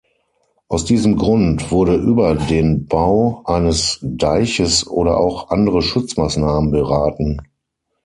Aus diesem Grund wurde über den Bau eines Deiches oder auch andere Schutzmaßnahmen beraten.